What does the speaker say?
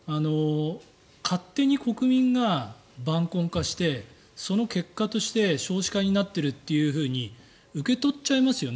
勝手に国民が晩婚化して、その結果として少子化になっているっていうふうに受け取っちゃいますよね。